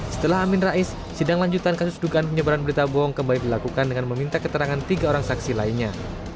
setelah amin rais sidang lanjutan kasus dugaan penyebaran berita bohong kembali dilakukan dengan meminta keterangan tiga orang saksi lainnya